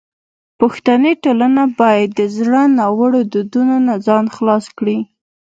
پښتني ټولنه باید د زړو ناوړو دودونو نه ځان خلاص کړي.